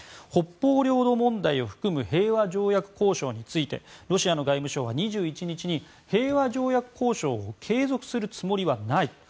北方領土問題を含む平和条約交渉についてロシアの外務省は２１日に平和条約交渉を継続するつもりはない。